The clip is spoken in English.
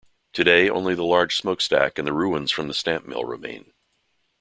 Today, only the large smokestack and the ruins from the stamp mill remain.